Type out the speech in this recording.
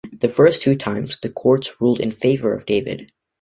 The first two times, the courts ruled in favor of David.